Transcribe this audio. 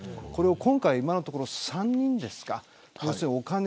今回、今のところ３人ですか。